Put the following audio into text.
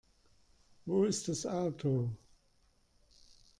Wo ist das Auto?